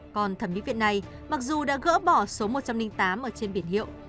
còn thẩm mỹ viện này mặc dù đã gỡ bỏ số một trăm linh tám ở trên biển hiệu